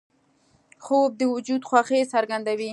خوب د وجود خوښي څرګندوي